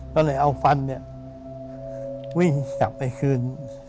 ตอนนี้เอาฟันกำลังวิ่งกลับไปคืน